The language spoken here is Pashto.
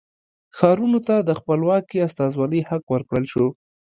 ښارونو ته د خپلواکې استازولۍ حق ورکړل شو.